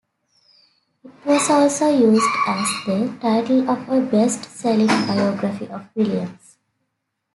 It was also used as the title of a best-selling biography of Williams.